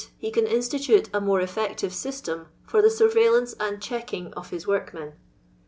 (8) He can institute a more efiectire system for the surveillance and checking of his workmen.